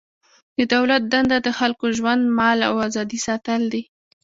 د دولت دنده د خلکو ژوند، مال او ازادي ساتل دي.